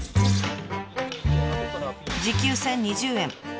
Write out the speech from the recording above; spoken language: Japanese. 時給１，０２０円。